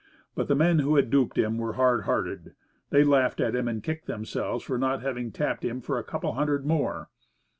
But the men who had duped him were hard hearted. They laughed at him, and kicked themselves for not having tapped him for a couple of hundred more.